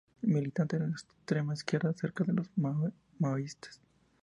Militante de la extrema izquierda, cerca de los maoístas.